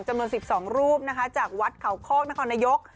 จำนวน๑๒รูปนะคะจากวัดเขาโคกนครนายก